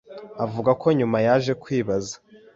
Avuga ko nyuma yaje kwibaza